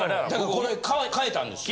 これ変えたんですよね？